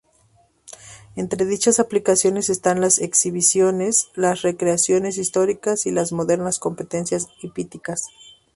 Entre dichas aplicaciones están las exhibiciones, las recreaciones históricas y las modernas competencias hípicas.